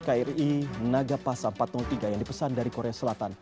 kri nagapasa empat ratus tiga yang dipesan dari korea selatan